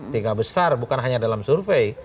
tiga besar bukan hanya dalam survei